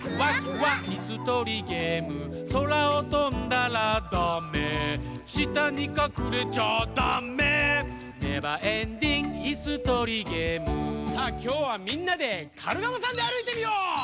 いすとりゲーム」「そらをとんだらダメ」「したにかくれちゃダメ」「ネバーエンディングいすとりゲーム」さあきょうはみんなでカルガモさんであるいてみよう。